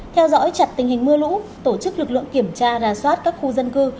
theo dõi chặt tình hình mưa lũ tổ chức lực lượng kiểm tra rà soát các khu dân cư